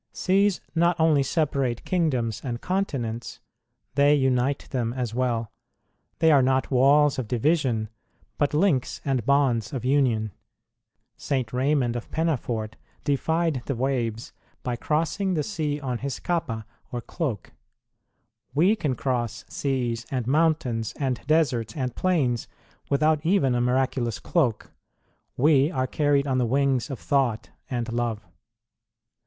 Seas not only separate kingdoms and continents, they unite them as well ; they are not walls of division, but links and bonds of union. St. Ray mund of Pennafort defied the waves, by crossing 9 10 INTRODUCTION the sea on his cappa, or cloak. We can cross seas and mountains and deserts and plains with out even a miraculous cloak; we are carried on the wings of thought and love.